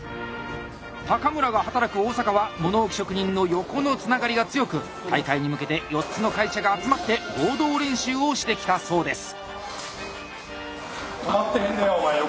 高村が働く大阪は物置職人の横のつながりが強く大会に向けて４つの会社が集まって合同練習をしてきたそうです。